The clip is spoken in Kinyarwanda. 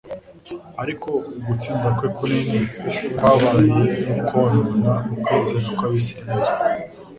ariko ugutsinda kwe kunini kwabaye ukonona ukwizera kw'Abisiraeli.